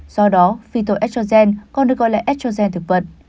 do đó phyto estrogen còn được gọi là estrogen thực vật